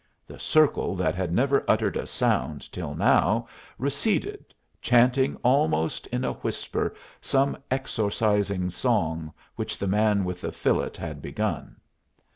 The circle that had never uttered a sound till now receded, chanting almost in a whisper some exorcising song which the man with the fillet had begun.